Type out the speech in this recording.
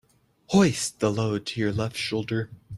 Hoist the load to your left shoulder.